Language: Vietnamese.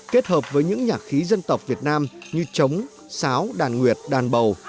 kết hợp với những nhạc khí dân tộc việt nam như trống sáo đàn nguyệt đàn bầu